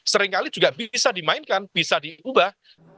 seringkali juga bisa dimainkan bisa diubah